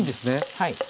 はい。